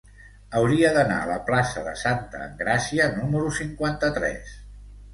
Hauria d'anar a la plaça de Santa Engràcia número cinquanta-tres.